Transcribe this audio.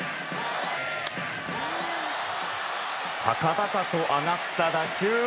高々と上がった打球。